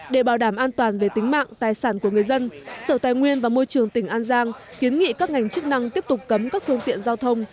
để bảo đảm an toàn về tính mạng tài sản của người dân sở tài nguyên và môi trường tỉnh an giang kiến nghị các ngành chức năng tiếp tục cấm các phương tiện giao thông